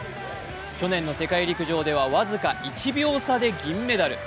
去年の世界陸上では僅か１秒差で銀メダル。